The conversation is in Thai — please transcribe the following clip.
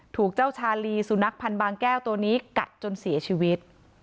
ถูกเจ้าชาลีสุนัขพันธ์บางแก้วตัวนี้กัดจนเสียชีวิต